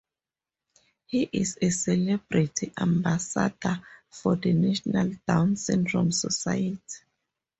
He is a celebrity Ambassador for the National Down Syndrome Society.